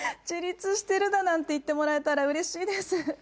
自立してるなんて言ってもらえたらうれしいです。